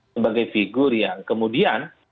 sebagai figur yang kemudian